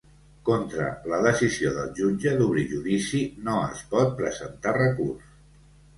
Contra la decisió del jutge d’obrir judici no es pot presentar recurs.